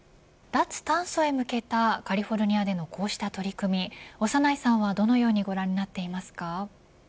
脱炭素へ向けたカリフォルニアでのこうした取り組み長内さんは、どのようにご覧になっていますか。